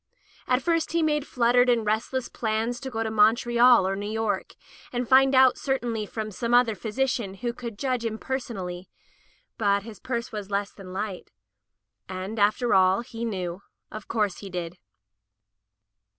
At first he made fluttered and resdess plans to go to Montreal or New York and find out certainly from some other physician who could judge impersonally, but his purse was less than light. And, after all, he knew — of course he did.